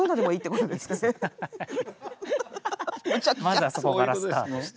まずはそこからスタートして。